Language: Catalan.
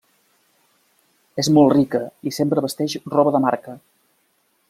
És molt rica i sempre vesteix roba de marca.